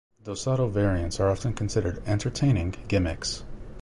Dosado variants are often considered entertaining "gimmicks".